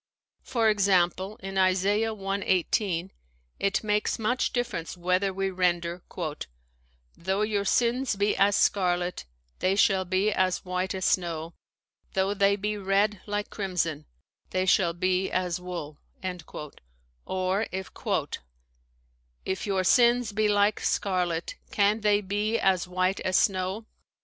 For example, in Isa. i : i8, it makes much difference whether we render, "Though your sins be as scarlet, they shall be as white as snow; though they be red like crimson, they shall be as wool"; or, "If your sins be like scarlet, can they be as white as snow?